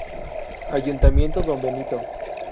Ayuntamiento de Don Benito.